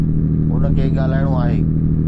هن کي ڳالهائڻو آهي.